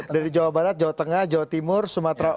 dari jawa barat jawa tengah jawa timur sumatera utara